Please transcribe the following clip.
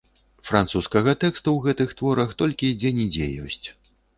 Французскага тэксту ў гэтых творах толькі дзе-нідзе ёсць.